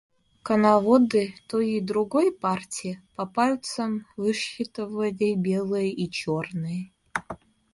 Коноводы той и другой партии по пальцам высчитывали белые и черные.